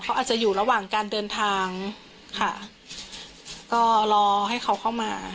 เขาอาจจะอยู่ระหว่างการเดินทางค่ะก็รอให้เขาเข้ามา